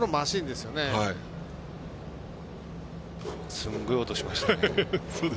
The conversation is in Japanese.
すごい音しましたね。